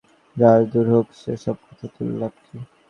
আর সেই-যে আমার কলের জাহাজ– দূর হোক সে-সব কথা তুলে লাভ কী?